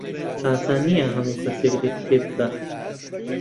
ئاسان نییە هەموو کەسێک لێت تێبگات.